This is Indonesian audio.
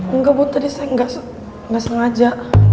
enggak budi saya gak sengaja